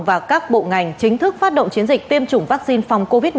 và các bộ ngành chính thức phát động chiến dịch tiêm chủng vaccine phòng covid một mươi chín